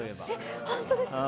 本当ですか。